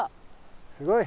すごい！